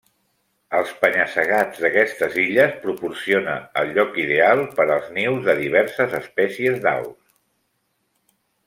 Els penya-segats d'aquestes illes proporcionar el lloc ideal per als nius de diverses espècies d'aus.